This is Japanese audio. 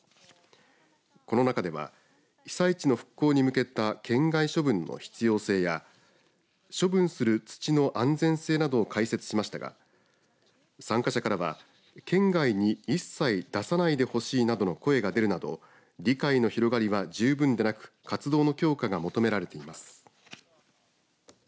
この中では被災地の復興に向けた県外処分の必要性や処分する土の安全性などを解説しましたが参加者からは県外に一切出さないでほしいなどの声が出るなど理解の広がりはじゅうぶんでなく活動の強化が求められています。